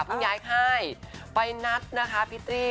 เพิ่งย้ายค่ายไปนัดนะคะพี่ตี้